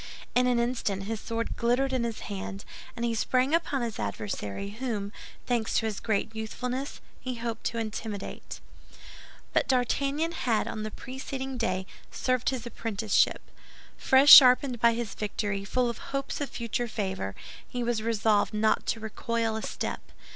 In an instant his sword glittered in his hand, and he sprang upon his adversary, whom, thanks to his great youthfulness, he hoped to intimidate. But D'Artagnan had on the preceding day served his apprenticeship. Fresh sharpened by his victory, full of hopes of future favor, he was resolved not to recoil a step.